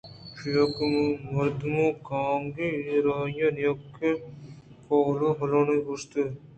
چیاکہ مردماں کانگی ءَ را آئی ءِ نیکیں پال ءُ حالانی گوٛشگ ءُ سرپد کنگءَ ءُ آہانی باندات ءُ آئوکیں روچ چون ءُ چہ پیم بنت